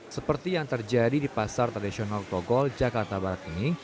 seperti yang terjadi di pasar tradisional togol jakarta barat ini